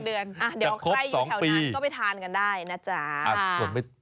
เดี๋ยวใครอยู่แถวนั้นก็ไปทานกันได้นะจ๊ะ